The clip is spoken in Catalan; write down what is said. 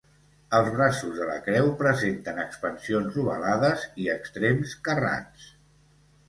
Els braços de la creu presenten expansions ovalades i extrems carrats.